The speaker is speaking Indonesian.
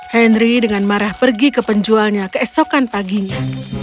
henry dengan marah pergi ke penjualnya keesokan paginya